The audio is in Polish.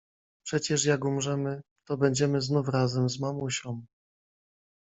"Przecież jak umrzemy, to będziemy znów razem z mamusią."